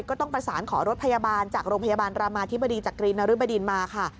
ก็ต้องประสานขอรถพยาบาลจากโรงพยาบาลรามาธิบดีจากกรีนรึบดินมาค่ะ